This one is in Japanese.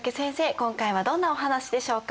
今回はどんなお話でしょうか？